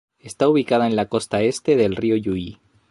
Está ubicada en la costa este del río Jiu.